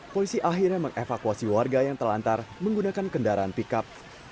polisi akhirnya mengevakuasi warga yang terlantar menggunakan kendaraan pikap